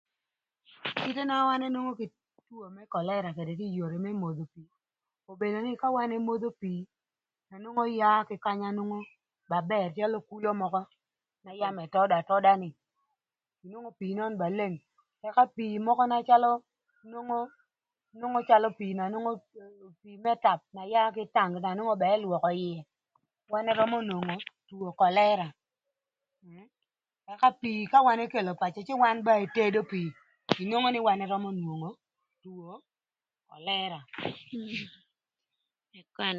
Kite na wan enwongo kï two kölëra ködë kï yodhi më modho pii nwongo yaa kï kanya ba bër mökö n'ëtödö atöda ni, ka pii nön ba leng pii mökö na calö nwongo yaa kï tap na nwongo ba ëlwökö ïë wan ërömö nwongo two kölëra ëka pii ka wan ekelo pacö cë wan ba etedo pii cë wan ërömö nwongo two kölëra.